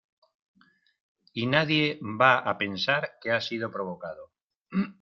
y nadie va a pensar que ha sido provocado.